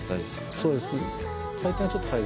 そうです。